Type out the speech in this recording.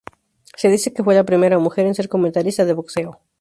Se dice que fue la primera mujer en ser comentarista de boxeo.